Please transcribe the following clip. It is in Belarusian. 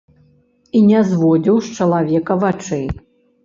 І не зводзіў з чалавека вачэй.